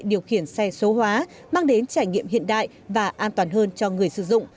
điều khiển xe số hóa mang đến trải nghiệm hiện đại và an toàn hơn cho người sử dụng